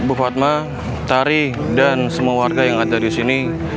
bu fatma tari dan semua warga yang ada disini